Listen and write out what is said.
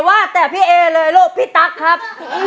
ว่าแต่พี่เอเลยลูกพี่ตั๊กครับ